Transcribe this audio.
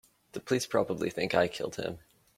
The police probably think I killed him.